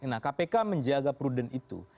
nah kpk menjaga prudent itu